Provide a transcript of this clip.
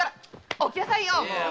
起きなさいよ！